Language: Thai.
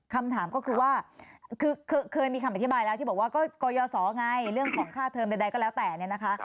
ก็ยอสอไงเรื่องของค่าเทอมใดก็แล้วแต่เนี่ยนะคะ